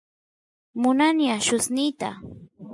munani allusniyta